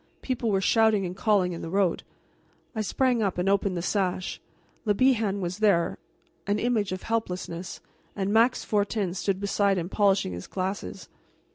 People were shouting and calling in the road. I sprang up and opened the sash. Le Bihan was there, an image of helplessness, and Max Fortin stood beside him polishing his glasses.